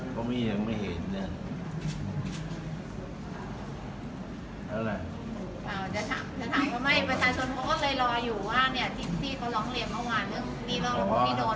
ก็มียังไม่เห็น